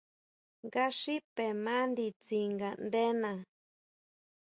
Nga xipe ma nditsin ngaʼndena.